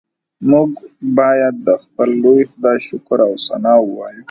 موږ باید د خپل لوی خدای شکر او ثنا ووایو